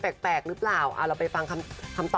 บอกผู้จัดการบอกว่า